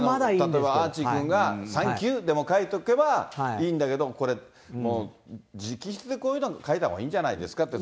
例えばアーチー君がサンキューでも書いておけばいいんだけど、これもう、直筆で書いたほうがいいんじゃないですかって。